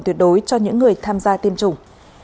tuyệt đối cho những người tham gia tiêm chủng